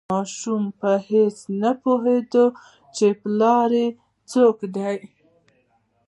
ماشوم په هیڅ نه پوهیده چې پلار یې څوک دی.